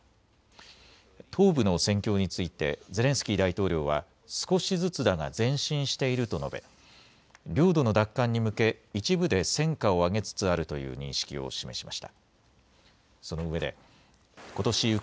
東部の戦況について、ゼレンスキー大統領は、少しずつだが前進していると述べ、領土の奪還に向け、一部で戦果を挙げつつあるという認識を示しました。